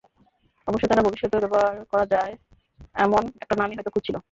অবশ্য তারা ভবিষ্যতেও ব্যবহার করা যায় এমন একটা নামই হয়তো খুঁজছিল।